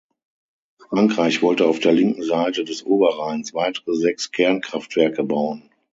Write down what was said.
Frankreich wollte auf der linken Seite des Oberrheins weitere sechs Kernkraftwerke bauen.